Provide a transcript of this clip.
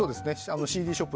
ＣＤショップ